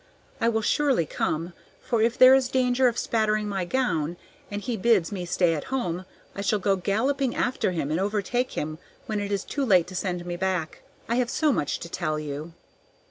I will surely come, for if there is danger of spattering my gown, and he bids me stay at home, I shall go galloping after him and overtake him when it is too late to send me back. I have so much to tell you."